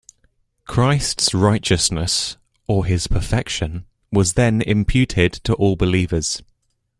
Christ's righteousness, or his perfection, was then imputed to all believers.